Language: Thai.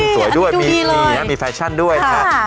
สวยด้วยมีแฟชั่นด้วยนะครับ